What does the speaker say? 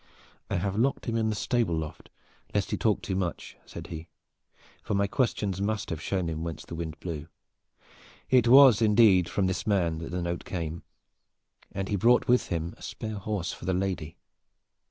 "I have locked him in the stable loft, lest he talk too much," said he, "for my questions must have shown him whence the wind blew. It was indeed from this man that the note came, and he had brought with him a spare horse for the lady."